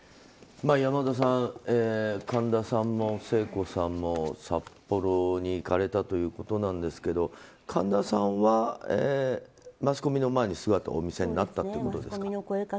山田さん神田さんも聖子さんも札幌に行かれたということですが神田さんはマスコミの前に姿をお見せになったということですか。